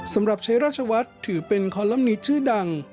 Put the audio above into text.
สำหรับใช้ราชวัฒน์ถือเป็นคอลัมนิตชื่อดัง